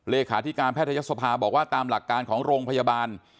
เลขาธิการแพทยศภาบอกว่าตามหลักการของโรงพยาบาล